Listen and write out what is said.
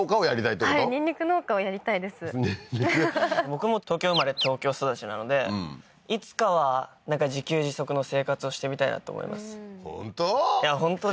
僕も東京生まれ東京育ちなのでいつかは自給自足の生活をしてみたいなって思います本当？